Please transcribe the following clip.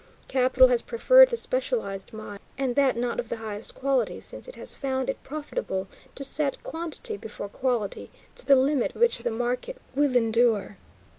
Capital has preferred the specialized mind and that not of the highest quality, since it has found it profitable to set quantity before quality to the limit which the market will endure.